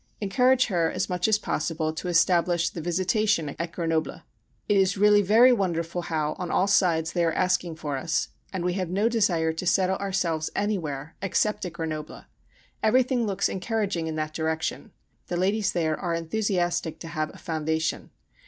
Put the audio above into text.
Encourage her as much as possible to establish the Visitation at Grenoble. It is really very wonderful how on all sides they are asking for us, and we have no desire to settle ourselves anywhere, except at Grenoble. Everything looks encouraging in that direction. The ladies there are enthusiastic to have a foundation.